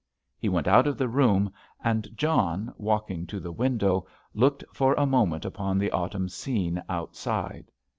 He went out of the room, and John, walking to the window, looked for a moment upon the autumn scene outside.